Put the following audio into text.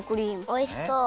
おいしそう！